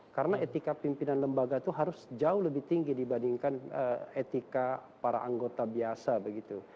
karena etika pimpinan lembaga itu harus jauh lebih tinggi dibandingkan etika para anggota biasa begitu